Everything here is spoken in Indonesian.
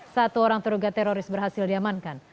satu orang terduga teroris berhasil diamankan